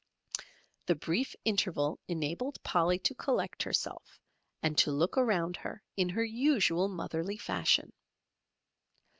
The brief interval enabled Polly to collect herself and to look around her in her usual motherly fashion.